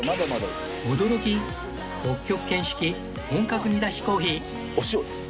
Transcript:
驚き北極圏式本格煮出しコーヒー